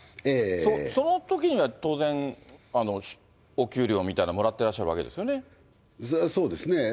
そのときには当然、お給料みたいなのもらってらっしゃるわけですそれはそうですね。